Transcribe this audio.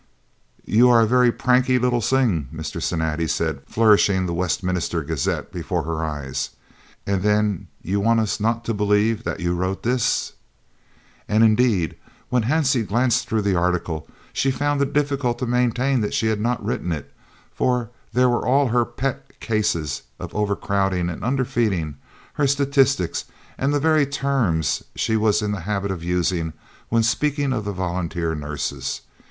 "You are a very pranky little sing," Mr. Cinatti said, flourishing the Westminster Gazette before her eyes, "and den you want us not to believe dat you wrote dis." And indeed, when Hansie glanced through the article, she found it difficult to maintain that she had not written it, for there were all her "pet" cases of overcrowding and underfeeding, her statistics, and the very terms she was in the habit of using when speaking of the volunteer nurses.